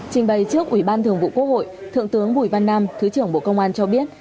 trình bày trước ủy ban thường vụ quốc hội thượng tướng bùi văn nam thứ trưởng bộ công an cho biết